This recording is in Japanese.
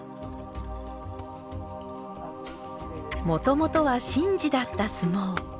もともとは神事だった相撲。